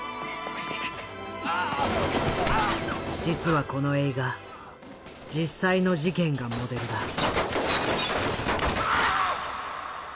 実はこの映画実際の事件がモデルだ。